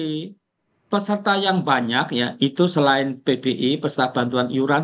nah untuk diketahui peserta yang banyak ya itu selain pbi peserta bantuan iurali